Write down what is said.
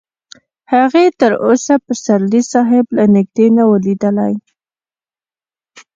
هغې تر اوسه پسرلي صاحب له نږدې نه و لیدلی